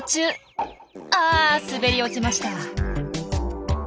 あ滑り落ちました。